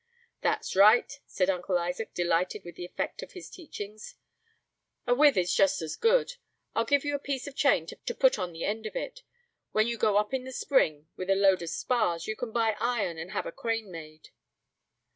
"That's right," said Uncle Isaac, delighted with the effect of his teachings; "a withe is just as good; I'll give you a piece of chain to put on the end of it. When you go up in the spring with a load of spars, you can buy iron, and have a crane made."